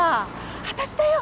私だよ！